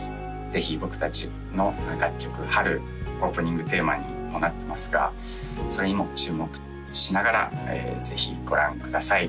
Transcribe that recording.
ぜひ僕達の楽曲「春」オープニングテーマにもなってますがそれにも注目しながらぜひご覧ください